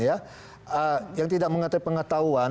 yang tidak mengatakan pengetahuan